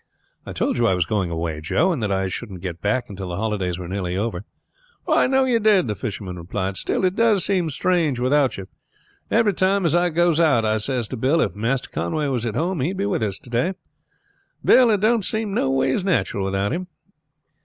"I told you I was going away, Joe, and that I shouldn't get back until the holidays were nearly over." "I know you did," the fisherman replied. "Still it does seem strange without you. Every time as I goes out I says to Bill, 'If Master Conway was at home he would be with us to day, Bill. It don't seem no ways natural without him.'